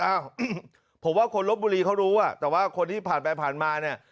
อ้าวผมว่าคนลบบุรีเขารู้อ่ะแต่ว่าคนที่ผ่านไปผ่านมาเนี่ย